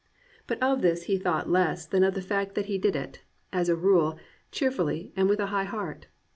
But of this he 366 AN ADVENTURER thought less than of the fact that he did it, as a rule, cheerfully and with a high heart.